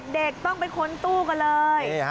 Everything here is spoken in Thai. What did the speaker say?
เด็กต้องไปค้นตู้กันเลย